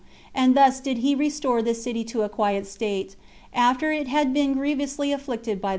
And thus did he restore this city to a quiet state, after it had been grievously afflicted by the sedition.